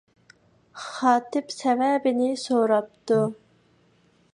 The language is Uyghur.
خاتىپ سەۋەبىنى سوراپتۇ.